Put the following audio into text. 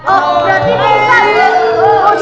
oh berarti pak ustadz